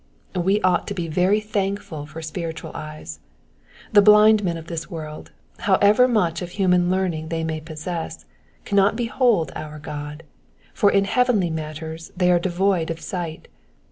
We ought to be very thankful for spiritual eyes ; the blind men of this world, however much of human learning they may possess, cannot behold our G<)d, for in heavenly matters they are devoid of Bight.